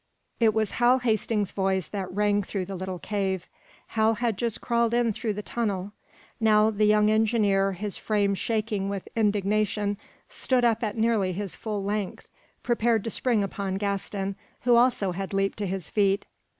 It was Hal Hastings's voice that rang through the little cave. Hal had just crawled in through the tunnel. Now, the young engineer, his frame shaking with indignation, stood up at nearly his full length, prepared to spring upon Gaston, who, also, had leaped to his feet.